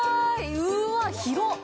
うーわ、広っ。